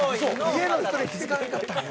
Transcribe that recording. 家の人に気付かれんかったんや。